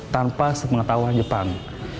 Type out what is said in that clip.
tanpa sepengetahuan jepang